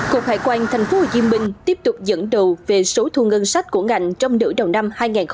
cục hải quan thành phố hồ chí minh tiếp tục dẫn đầu về số thu ngân sách của ngành trong nửa đầu năm hai nghìn hai mươi ba